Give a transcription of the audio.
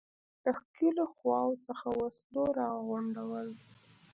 د ښکېلو خواوو څخه وسلو را غونډول.